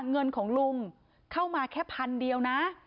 เงินของลุงเข้ามาแค่พันเดียวนะ